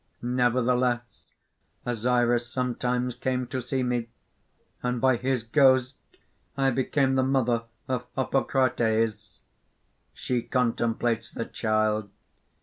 "Nevertheless, Osiris sometimes came to see me. And by his ghost I became the mother of Harpocrates." (_She contemplates the child.